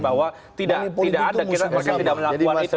bahwa tidak ada kira mereka tidak melakukan itu